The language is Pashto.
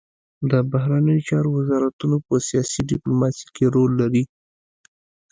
د بهرنیو چارو وزارتونه په سیاسي ډیپلوماسي کې رول لري